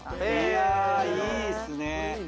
いやいいっすね。